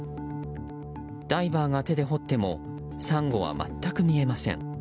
ダイバーが手で掘ってもサンゴは全く見えません。